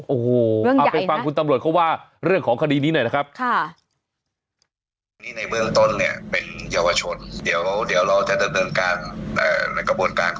โอ้หูววคุณต่ำลวดเข้าว่าเรื่องของคดีนี้หน่อยนะครับค่ะ